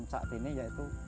saat ini yaitu